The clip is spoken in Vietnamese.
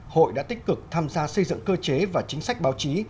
hội đã tích cực tham gia xây dựng cơ chế và chính sách báo chí